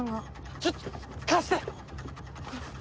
ちょっと貸して！